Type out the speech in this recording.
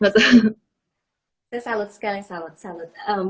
saya salut sekali salut salut